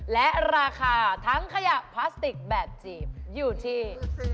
และราคาทั้งขยะพลาสติกแบบจีบอยู่ที่